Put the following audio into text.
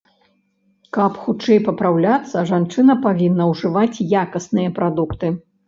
Каб хутчэй папраўляцца, жанчына павінна ўжываць якасныя прадукты.